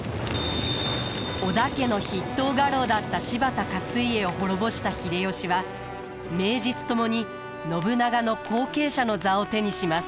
織田家の筆頭家老だった柴田勝家を滅ぼした秀吉は名実ともに信長の後継者の座を手にします。